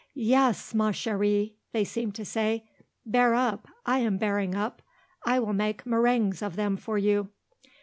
"Yes, ma chérie," they seemed to say; "Bear up, I am bearing up. I will make méringues of them for you."